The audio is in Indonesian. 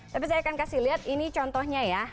tapi saya akan kasih lihat ini contohnya ya